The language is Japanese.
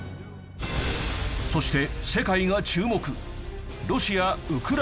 そして世界が注目